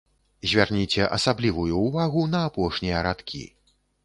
Звярніце асаблівую ўвагу на апошнія радкі.